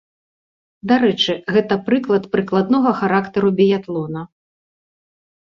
Дарэчы, гэта прыклад прыкладнога характару біятлона.